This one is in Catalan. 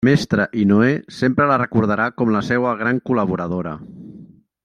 Mestre i Noè sempre la recordarà com la seua gran col·laboradora.